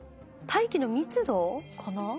大気の密度かな？